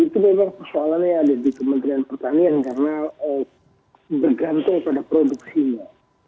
itu memang persoalannya ada di kementerian pertanian karena bergantung pada produksinya